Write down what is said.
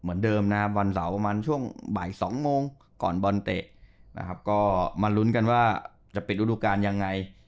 เหมือนเดิมนะครับวันเสาร์ประมาณช่วงบ่าย๒โมงก่อนบอลเตะนะครับก็มาลุ้นกันว่าจะปิดฤดูการยังไง